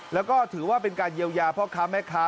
แล้วก็ถือว่าเป็นการเยียวยาพ่อค้าแม่ค้า